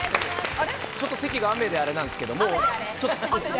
ちょっと関が雨であれなんですけど。